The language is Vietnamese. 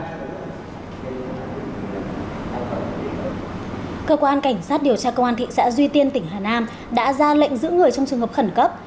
cơ quan cảnh sát điều tra công an thị xã duy tiên tỉnh hà nam đã ra lệnh giữ người trong trường hợp khẩn cấp